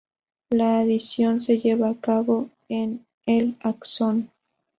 La adición se lleva a cabo en el axón.